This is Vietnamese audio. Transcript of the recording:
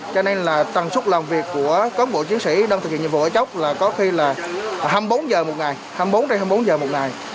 cho nên là tầng súc làm việc của các bộ chiến sĩ đang thực hiện nhiệm vụ ở chốc có khi là hai mươi bốn h một ngày hai mươi bốn hai mươi bốn h một ngày